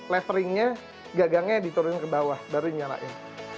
leveringnya gagangnya diturunin ke bawah baru nyalain